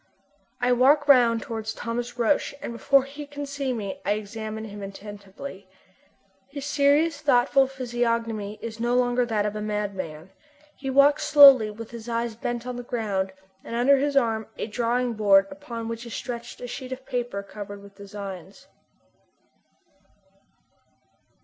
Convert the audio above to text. I walk round towards Thomas Roch, and before he can see me I examine him attentively. His serious, thoughtful physiognomy is no longer that of a madman. He walks slowly, with his eyes bent on the ground, and under his arm a drawing board upon which is stretched a sheet of paper covered with designs.